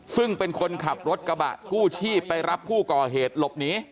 ซึ่งเป็นคนขับรถกระบะกู้ชีพไปรับผู้ก่อเหตุหลบหนี